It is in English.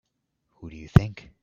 Who do you think?